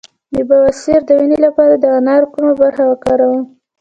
د بواسیر د وینې لپاره د انار کومه برخه وکاروم؟